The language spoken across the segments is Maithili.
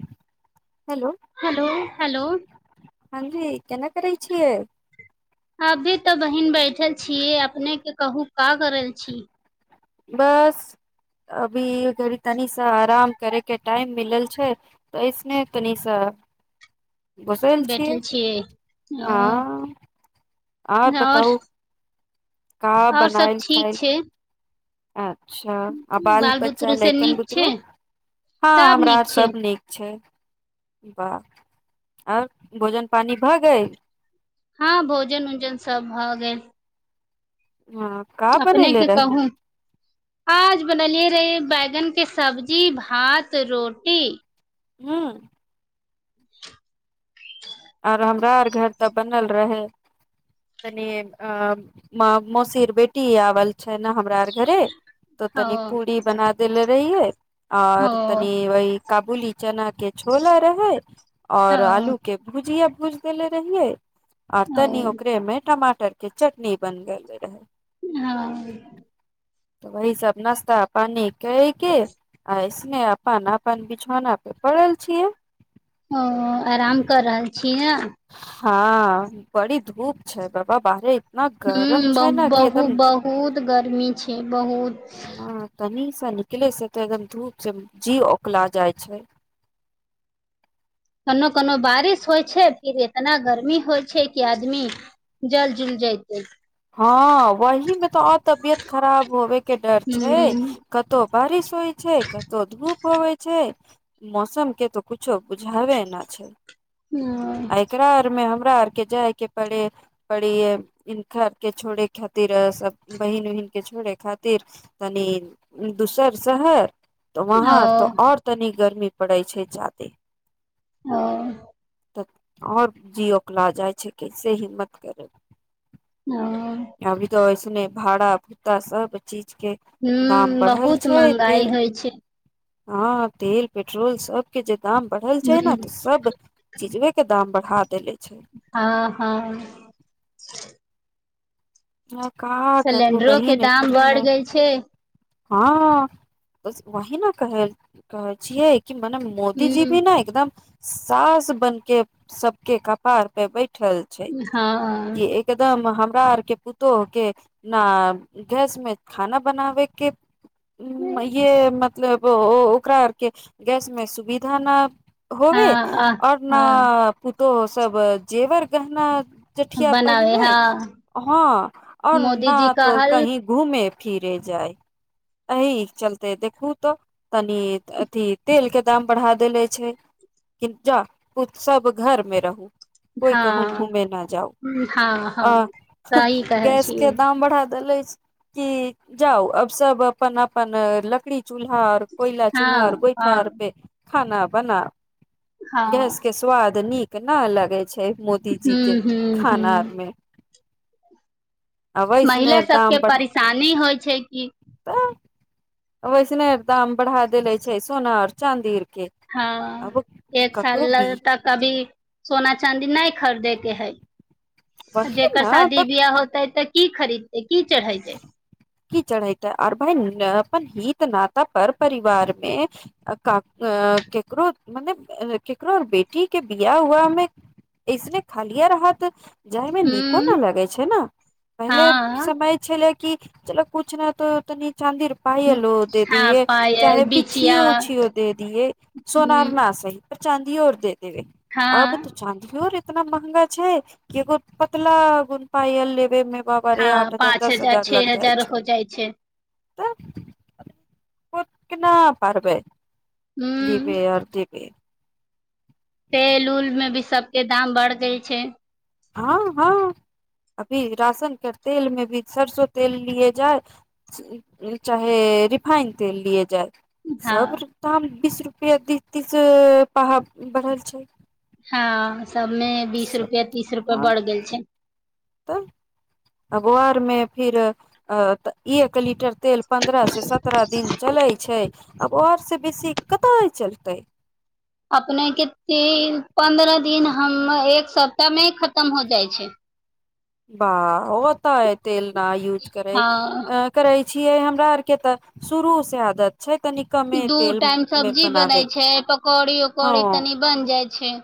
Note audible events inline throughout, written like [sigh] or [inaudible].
ह हेलो हेलो हेलो ह जी के करै छियै अभी तऽ बहिन बैठल छियै अपनेके कहू का करल छी बस अभी घड़ी तनीस आराम करयके टाइम मिलल छै तऽ ऐसने तनि सा घसल छियै बैठल छियै हँ आ आओर बताउ का आओर सब बनायल ठीक छैाय छै आ अच्छा आ बाल बच्चा बुतरू से लैकन नीक छै बुतरू हँ सब हमरा आर नीक छै सब नीक छै वाह आर भोजन पानि भऽ गेल हँ भोजन उजन सब भऽ गेल हँ का अपने बनैले के रहलू कहू आज बनलिये रहे बैगन के सब्जी भात रोटी हँ आर हमरा आर घर तऽ बनल रहे तनी अ मौसीर बेटी आवल छै ने हमरा आर घरे तो ओ तनि पूरी बना देले रहियै ओ आओर तनी वह काबूली चानके के छोला रहै ओ और आलू के जी अब बुझ देले रहिये अर ओ तनि ओकरे मे टमाटर मटर के चटनी बन गेल रहे हँ तऽ वहि सब नाश्ता पानी क क अऐस ने अपान अपान बीछोने पड़ेल छियै ओ आराम कर रहल छीय ने हँ बड़ी धूप छै बाबा बाहरे इतना गरम ह ब छै ने कि एकदम बहुत बहुत गर्मी छै बहुत ीसँ निकले छै तऽ एकदम धूप से जी ओकला जाइ छै कोनो कोनो बारिश होइ छै फिर एतना गर्मी होइ छै कि आदमी जल जुल जते हँ वही मे तऽ आओर तबियत खराब होबे के डर छै ह कतहु पेारस ो छै कतौ धूप होै छै मौसम के तऽ कुछो बुझावे नहि छै आइकरा आरमे आर के जायके पड़े पड़ी इन्र के छोड़े खातिर सब बहिन ओहिन के छोड़े खातिर तनी दोसर शहर तऽ ओ वहाँ तऽ और तनी गर्मी पड़ै छै ज्यदे ह तऽ आओर जियओके लऽ जाइ छै कैसे हिम्मत करे ओ अभी तऽऐस ने भाड़ा भूता सब चीज। के ह दाम बढ़ल बहुत छै महगाई तेल होइ छै। हँ तेल पेट्रोल सबकछु। दाम बढ़ल छै ने ह तऽ सब चीजे। के दाम बढ़ा देेलै। हँ हँ। हँ सिलेंडरो के दाम बढ़ गय छै। हँ वही ने कह कहै छियै। कि मने मोदीजी भी ने एकदम। साास बन के सबके कपार पे बैठ। ठल छै। ह एकदम हम। सरकार के पुतोह के न गैस मे खाना बनाबे के। ये मे मतलब ओ ओकरा आर के गैस मे सुविधा न। होब हँ हँ आओर हँ न। तो सब जेवर गहना। जेठिया बनाबे पहिने हँ हँ आऔर न मोदीजी तो कहल कही घूमे। फिरे जाय एहिह चलते देखू तऽ तनी अथी तेल के दाम बढ़ा देले छै कि जा सब घर मे रहु। कोइ हँ कहू घूमे न जाउ। हँ हँ आ सही कहै छियै। बदले कि जाउ अब सब अपन अपन लकड़ी चूल्हा आर। कोयला हँ चूल्हार कोइ हँ ठार पे। खाना बनाा। हँ गैस के स्वाद नीक। केना लगे छै। मोदीजी के। हूं हूं हूं खाना आरमे। महिला दाम सबके परेशानी होइ छै की। वैसनेर दाम बढ़ा देेले छै सोना आर चाँदी। के हँ आब एक ककरो साल भी तक अभी सोना चाँदी नहि खरीदेत। के हइ। वही जकर न शादी तब बियाह होता है तऽ। की खरीदतै। की चढ़ेतै की चढ़इतै अर भइ अपन ही। नता पर परिवार मे ककरो मने ककरो बेटी के बिया हुआमे इसने खालिया राहत। जाय मे नीको हूं न लगे छै ने पहिले हँ समय। कि चलो किुछ ने त तऽ। चाँदी पायल ओ दे हँ दिये पायल चाहे बिछिया बिछिो उछिो दे दिये हूं सोनार न सही। चाँदीऔर दे। आब तऽ हँ चाँदीओर। इतना महंगा छै क एगो पतला गुन पाल ले। फेमे बाब रे हँ आठ द। पाँच हजार छ हजार हो जाइ छै। तऽ केना पब। हूं जीपे यर जी पे। तेल उल मे भी सबके दाम बढ़ गय छै। हँ हँ अभी राशन के तेल मे भी सरसो तेल लिए जाय चाहे रिफाइन तेल लिय जाय। हँ सब ताम। बीस रुपआ तीस तीस पा बढ़ल छै। हँ। सबमे बीस रुपआ तीस रुपआ बढ़ गेल छै। तब अ गुरमे फिर अ एक लीटर। तेल पंद्रह से सत्रह दिन चले छै। आब आर से बेसी कत चलतै। अपने कतेक पन्द्रह दिन। हम एक सप्ताह मे ही खतम हो जाइ छै। बाह ओता है तेल। न यूज करै हँ अ करइ। छियै हमरा आर के तऽ शुरू से आदत छै। तनि कमे दू तेल टाइम मे सब्जी बनै बनाबे के छै पकौड़ी हँ उकौड़ी तनी बन जाइ छै।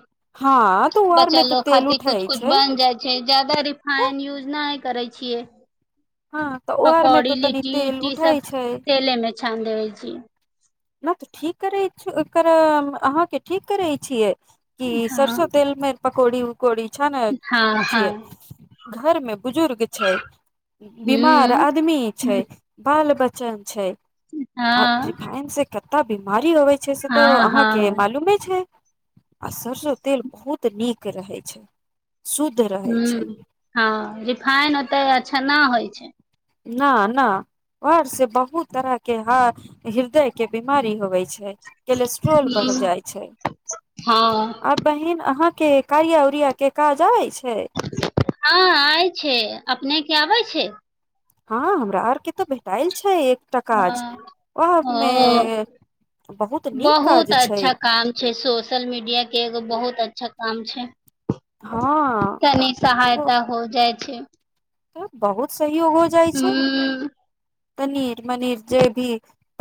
हँ तऽ ओ आर मे तऽ बच्चो तेल खातिर उठै कुछ कुछ छै बन जाइ छै जदा तऽ रिफाइन यूजना है। करै छियै। हँ तऽ ओ आरमे पकौड़ी तऽ तनी लिट्टी तेल उट्टी उठै सब छै तेले में छान दे। जी। ना तऽ ठीक करै छ अहाँके ठीक करैत छियै। क हँ सरस्वतेल म। पकौड़ी। कोड़ी छने हँ हँ छियै। घरमे। बुजुर्ग छै बीमार हूँ आदमी छै बाल बच्चा। छै छै। हँ अखन से। कर बीमार होइ। छै से तऽ हँ अहाँके हँ मालूमे छै। आ सरसों तेल बहुत नीक रहै छै। शुद्ध रहे ह छै हँ रिफाइन होतै अच्छा न होत। छै। न न वर से बहुत तरह के ह हृदय के बिीमारी होवे छै। कोलेस्ट्रॉल बढ़ि हूँ जाइत छै हँ आ बहिन अहा के कारिया उऊरिया के काजबइ छै हँ आ छै अपने क आबै छै हँ हमरा आर के तऽ भेटाइल छै एकटा ह काज वह मे ओ बहुत नीक बहुत काज छै अच्छा काम छै सोशल मीडिया के एगो बहुत अच्छा काम छै हँ तनी एगो सहायता हो जाइ छै तऽ बहुत तहियो हो जाइ छै हूँ तनीर मनीर जे भी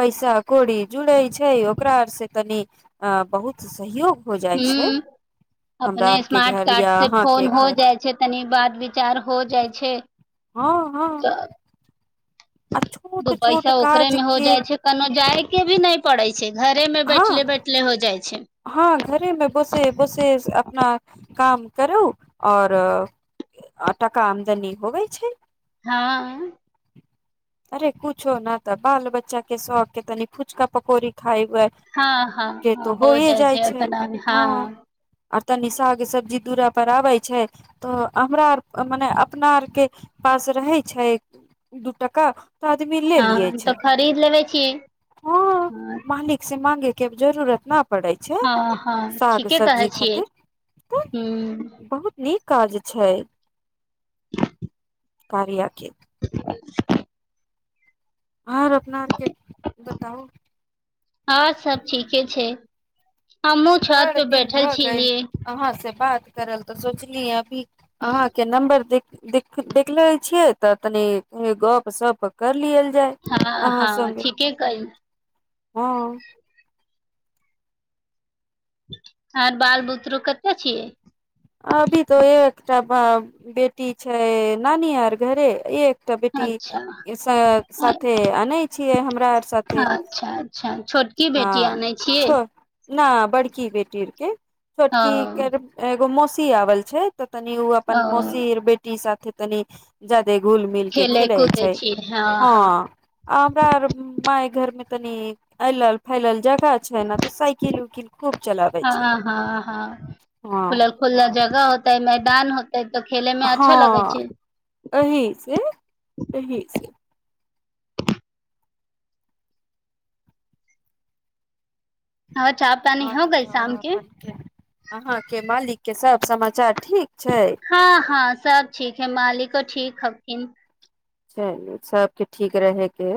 पैसा कौड़ी जुड़े छै ओकरा आर से तनी अ बहुत सहयोग हो जाइ छै ह हमरा अपने आर के स्मार्ट घर कार्ड या से अहाँ के फोन हो घर जाइ छै तनी बात विचार हो जाइ छै हँ हँ तऽ आ दू छोट छोट पैसा ओकरे काज मे हो के जाइ छै कोनो जाय के भी नहि पड़ै छै घरे मे हँ बैठले बैठले हो जाइ छै हँ घरेमे बसे बसे अपना काम करू आओर टका आमदनी होवै छै हँ अरे कुछ न त बाल बच्चा कें सभ कें पूछोक पकौरी खाइ हए हाँ हाँ के तो हाँ हो जाइ छैना हँ आ तनि साहे सब्जी दुअरापर आबै छै तऽ हमरा आर मने अपना आरके पास रहै छै दू टाका तऽ आदमी ले लियए हाँ तऽ छै खरीद लेबे छियै हँ हाँ मालिक से मागे जरूरत ने पड़ै छै हँ हँ साग ठीके कहै सब्जी छियै खातिर हूँ बहुत नीक काज छै कार्या कें [inaudible] हर अपना आरके बताउ हँ सब ठीके छै हमहहुँ छत बड़ पे बैठल छीिय रै करलऽ सोचलीियँ भअभी अहाँकें नंबर देख देख देखले छियै तऽ तनि गप सप करलिय हँ हँ ठीके कहेय हँ आर बाल बुत्ररू कते छियै अभी त एकटा बेटी छै नानी यार घर एक तऽ बेटी अच्छा साथे आनै छियै हमरा आर साथे अच्छा अच्छा छोटकी हँ बेटी आनै छियै छ ना बड़की बेटीरके ओ छोटकी कर मोशी आबल छै तऽ तनि ओ अपन मौसी बेटी साथ तनी जा घुल मिल के खेले छै हँ हमरा आर माय घर मे तनि अलल फैलल जगह छै ने तऽ साइकिल उकिल खूब चलाबै छै हँ खुला जगह होता है मैदान तऽ खेले मे अच्छा लगै हँ छै एहिही से एहिही से हँ चाह पानी हो गइल शाम के अपन अहाँके मालिक के सब समाचार ठीक छै हँ हँ सब ठीक है मालिको ठीक हवथिन चलू सबके ठीक रहै के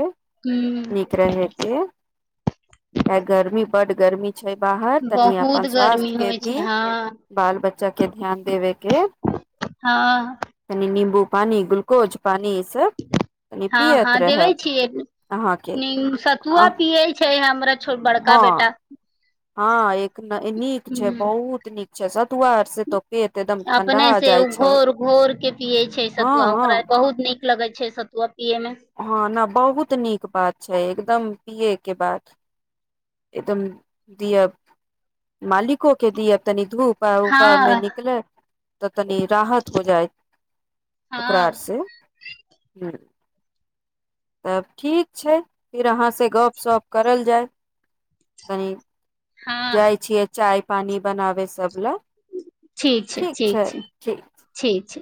हूँ नीक रहे के चाहे गर्मी बड गर्मी बाहर तनि अपन बहुत गर्मी स्वास्थ्य के होइ छै भी हँ बाल बच्चा के ध्यान देबे के हँ कनि नींबू पानी ग्लूकोज पानि हँ हँ देबे छियै अहाँ के अ स्तुआ पियै छै हम छो बड़का हँ बेटा हँ एक नीक छै ह बहुत ठीक छै सतुआ आर से तो पेट एकदम अपने ठंडा से ओ जाइ छै घोर घोर के पियै छै हँ सतुआ हँ ओकरा बहुत नीक लगै छै सतुआ पियै मे हँ ने बहुत नीक बात छै एकदम पीए के बाद एकदम दअ मालिको के दिय तनि धूप उप मे हँ निकले तऽ तनी राहत हो जाय ओकरा आर हँ से ह तब ठीक छै फेर अहाँसँ गप्प सप करल जाय तनी हँ जाइ छियै चाय पानी बनावे सब लए ठीक छै ठीक छै ठीक छै